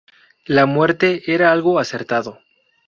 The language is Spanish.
La muerte era algo acertado.